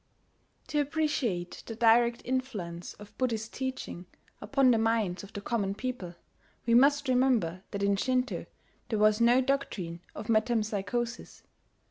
To appreciate the direct influence of Buddhist teaching upon the minds of the common people, we must remember that in Shinto there was no doctrine of metempsychosis.